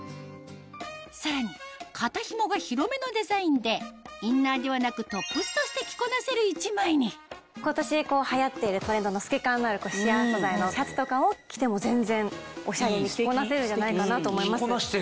さらに肩ひもが広めのデザインでインナーではなく一枚に今年はやっているトレンドの透け感のあるシアー素材のシャツとかを着ても全然オシャレに着こなせるんじゃないかなと思います。